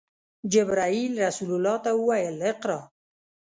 جبرئیل رسول الله ته وویل: “اقرأ!”